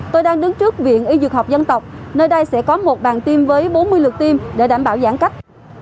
tôi đang đứng trước viện y dược học dân tộc nơi đây sẽ có một bàn tiêm với bốn mươi lượt tiêm để đảm bảo giãn cách